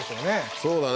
そうだよね